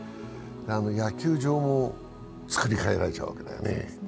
野球場もつくり替えられちゃうわけだよね。